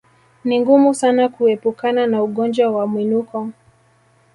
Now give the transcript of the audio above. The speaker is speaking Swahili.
Ni ngumu sana kuepukana na ugonjwa wa mwinuko